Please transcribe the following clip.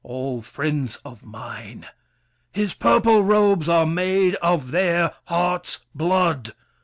All friends of mine! His purple robes are made Of their hearts' blood!